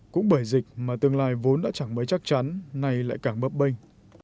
cũng bởi dịch mà tương lai vốn đã chẳng mới chắc chắn nay lại càng bấp bênh